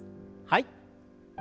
はい。